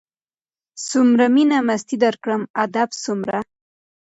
څومره مينه مستي درکړم ادب څومره